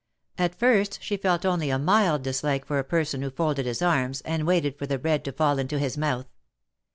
At first she felt only a mild dislike for a person who folded his arms, and waited for the bread to fall into his mouth.